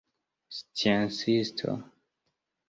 sciencisto